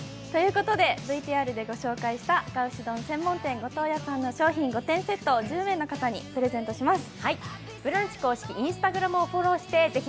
ＶＴＲで御紹介したあか牛丼専門店ごとう屋さんの商品５点セットを１０名の方にプレゼントします。